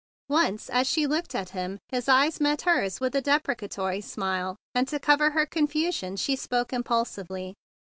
Once, as she looked at him, his eye met hers with a depreca¬ tory smile, and to cover her confusion she spoke impulsively.